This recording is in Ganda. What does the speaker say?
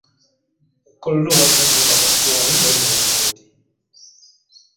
E Kololo waliyo amayumba agasulwamu n'omulongooti.